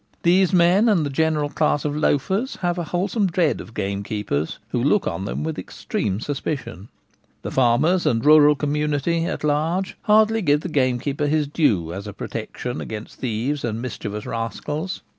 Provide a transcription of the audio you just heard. These men, and the general class of loafers, have a wholesome dread of gamekeepers, who look on them with extreme suspicion. The farmers and rural community at large hardly give the gamekeeper his due as a protection against thieves and mischievous rascals.